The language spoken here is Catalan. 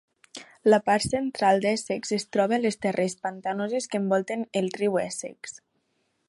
La part central d'Essex es troba a les terres pantanoses que envolten el riu Essex.